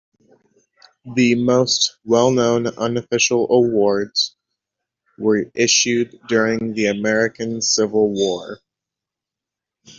The most well known unofficial awards were issued during the American Civil War.